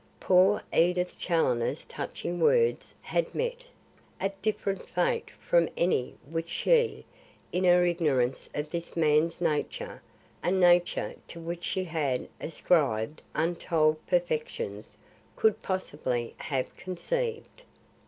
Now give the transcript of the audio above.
Poor Edith Challoner's touching words had met, a different fate from any which she, in her ignorance of this man's nature, a nature to which she had ascribed untold perfections could possibly have conceived.